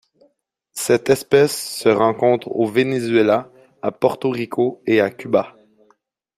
Cette espèce se rencontre au Venezuela, à Porto Rico et à Cuba.